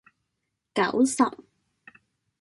九十